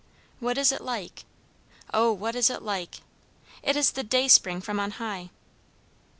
What is it like? O, what is it like! It is the "Dayspring from on high."